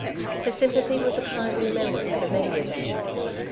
Her sympathy was a kindly memory for many a day.